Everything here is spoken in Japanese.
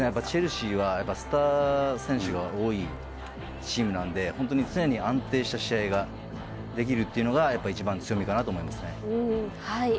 チェルシーはスター選手が多いチームなので、常に安定した試合ができるというのが一番強みかなと思います。